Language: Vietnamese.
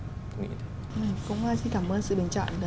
cũng xin cảm ơn sự bình chọn